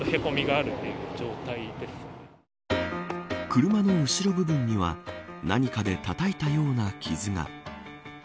車の後ろ部分には何かでたたいたような傷が。